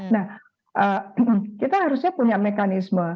nah kita harusnya punya mekanisme